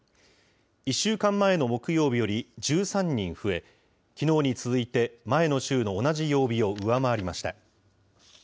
１週間前の木曜日より１３人増え、きのうに続いて前の週の同じ曜日を上回りました。